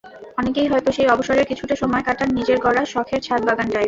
অনেকেই হয়তো সেই অবসরের কিছুটা সময় কাটান নিজের গড়া শখের ছাদবাগানটায়।